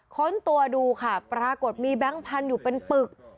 ค้นตัวดูค่ะปรากฏมีแบงค์พันธุ์อยู่เป็นปึก